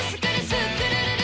スクるるる！」